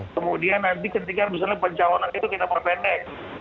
kemudian nanti ketika misalnya pencalonan itu kita perpendek